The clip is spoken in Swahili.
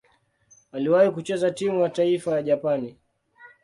Aliwahi kucheza timu ya taifa ya Japani.